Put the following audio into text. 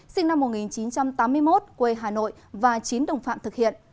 sinh năm một nghìn chín trăm tám mươi một quê hà nội và chín đồng phạm thực hiện